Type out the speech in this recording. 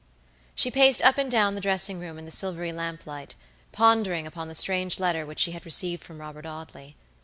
She paced up and down the dressing room in the silvery lamplight, pondering upon the strange letter which she had received from Robert Audley.